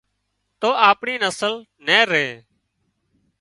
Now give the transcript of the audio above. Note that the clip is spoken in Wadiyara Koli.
تو اپڻي نسل نين ري